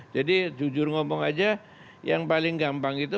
jadi jujur ngomong saja yang paling gampang itu